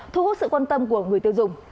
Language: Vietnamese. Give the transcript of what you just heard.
thu hút sự quan tâm của người tiêu dùng